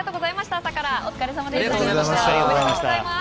朝からお疲れさまでした。